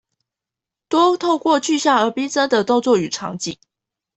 多透過具象而逼真的動作與場景